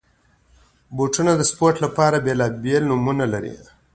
بوټونه د سپورټ لپاره بېلابېل نومونه لري.